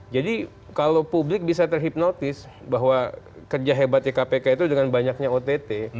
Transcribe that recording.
jadi kalau publik bisa terhipnotis bahwa kerja hebatnya kpk itu dengan banyaknya ott